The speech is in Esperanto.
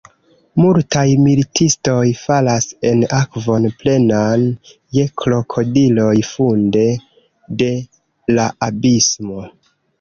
Multaj militistoj falas en akvon plenan je krokodiloj funde de la abismo.